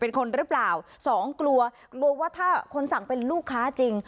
เป็นคนหรือเปล่าสองกลัวกลัวว่าถ้าคนสั่งเป็นลูกค้าจริง